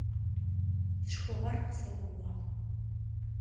Сшхыгъэр къысэгоуагъ.